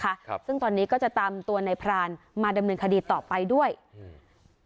ครับซึ่งตอนนี้ก็จะตามตัวในพรานมาดำเนินคดีต่อไปด้วยอืม